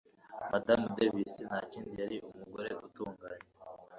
Madamu Davis ntakindi yari umugore utunganye.